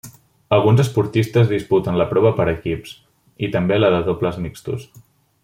Alguns esportistes disputen la prova per equips i també la de dobles mixtos.